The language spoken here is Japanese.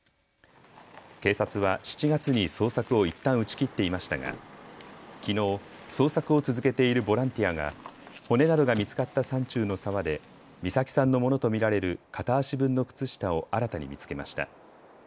警察は７月に捜索をいったん打ち切っていましたがきのう捜索を続けているボランティアが骨などが見つかった山中の沢で美咲さんのものと見られる片足分の靴下を新たに見つけました。